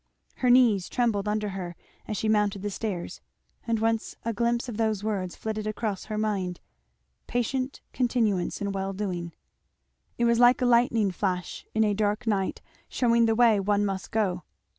Her knees trembled under her as she mounted the stairs, and once a glimpse of those words flitted across her mind, "patient continuance in well doing." It was like a lightning flash in a dark night shewing the way one must go.